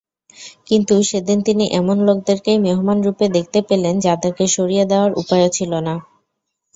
কিন্তু সেদিন তিনি এমন লোকদেরকেই মেহমানরূপে দেখতে পেলেন যাদেরকে সরিয়ে দেয়ার উপায়ও ছিল না।